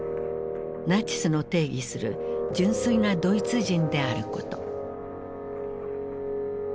ナチスの定義する純粋なドイツ人であること。